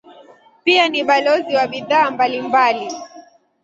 Pia ni balozi wa bidhaa mbalimbali.